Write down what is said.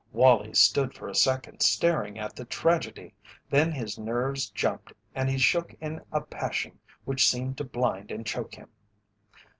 Wallie stood for a second staring at the tragedy. Then his nerves jumped and he shook in a passion which seemed to blind and choke him.